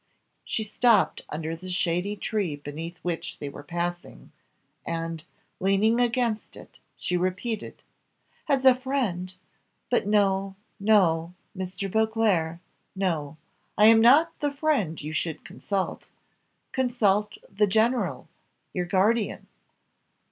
She stopped under the shady tree beneath which they were passing, and, leaning against it, she repeated, "As a friend but, no, no, Mr. Beauclerc no; I am not the friend you should consult consult the general, your guardian."